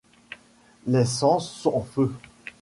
Les sens en feu